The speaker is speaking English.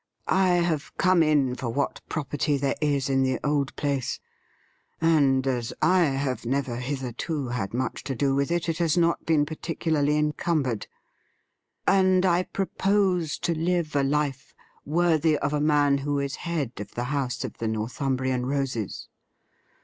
I have come in for what property there is in the old place, and as I have never hitherto had much to do with it, it has not been particularly encumbered, and I propose to live a life worthy of a man who is head of the house of the Northumbrian Roses.